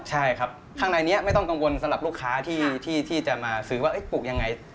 ใช่ครับข้างในนี้ไม่ต้องกังวลสำหรับลูกค้าที่จะมาซื้อว่าปลูกยังไง